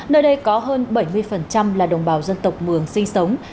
nơi đây có hơn bảy mươi là đồng bào dân tộc mường sinh sống